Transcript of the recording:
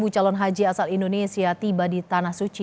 dua puluh calon haji asal indonesia tiba di tanah suci